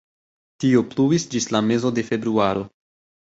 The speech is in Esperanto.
Tio pluis ĝis la mezo de februaro.